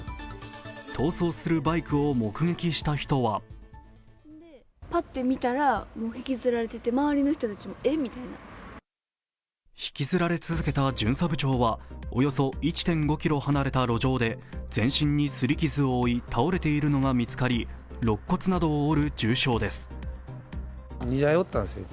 逃走するバイクを目撃した人は引きずられ続けた巡査部長はおよそ１．５ｋｍ離れた路上で全身に擦り傷を負い、倒れているのが見つかりろっ骨などを折る重傷です。